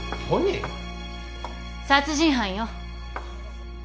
殺人犯よ。